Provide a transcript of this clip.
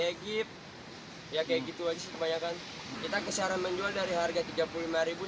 egypt ya kayak gitu aja kebanyakan kita keserah menjual dari harga tiga puluh lima sampai